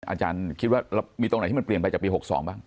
อาจารย์คิดว่าเรามีตรงไหนที่มันเปลี่ยนไปจากปี๖๒บ้าง